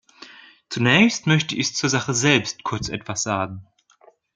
Zunächst möchte ich zur Sache selbst kurz etwas sagen.